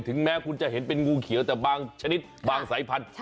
แม้คุณจะเห็นเป็นงูเขียวแต่บางชนิดบางสายพันธุ